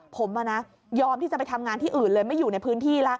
ผมยอมที่จะไปทำงานที่อื่นเลยไม่อยู่ในพื้นที่แล้ว